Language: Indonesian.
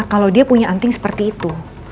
kalau dia punya anting seperti itu